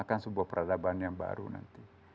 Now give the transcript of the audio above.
akan sebuah peradaban yang baru nanti